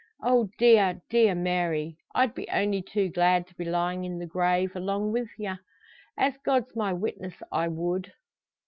Oh, dear, dear Mary! I'd be only too glad to be lyin' in the grave along wi' ye. As God's my witness I would."